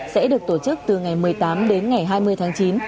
sẽ được tổ chức từ ngày một mươi tám đến ngày hai mươi tháng chín